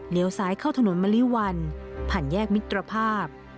ซ้ายเข้าถนนมะลิวันผ่านแยกมิตรภาพ